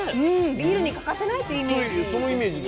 ビールに欠かせないっていうイメージですよね。